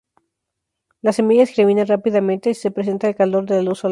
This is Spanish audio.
Las semillas germinan rápidamente si se presenta el calor de la luz solar.